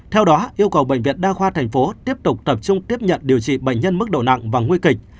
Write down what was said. theo đó yêu cầu bệnh viện đa khoa thành phố tiếp tục tập trung tiếp nhận điều trị bệnh nhân mức độ nặng và nguy kịch